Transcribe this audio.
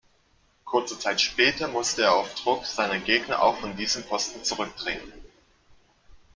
Kurze Zeit später musste er auf Druck seiner Gegner auch von diesem Posten zurücktreten.